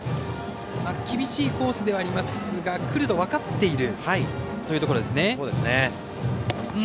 厳しいコースではありますがくると分かっているというところですね。